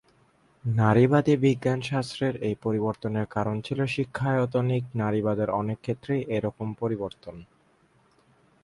নারীবাদী বিজ্ঞান শাস্ত্রের এই পরিবর্তনের কারণ ছিল শিক্ষায়তনিক নারীবাদের অনেক ক্ষেত্রেই এরকম পরিবর্তন।